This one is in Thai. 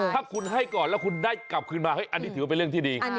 ถ้าคุณให้ก่อนแล้วคุณได้กลับคืนมาอันนี้ถือว่าเป็นเรื่องที่ดี